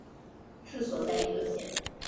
治所在溢乐县。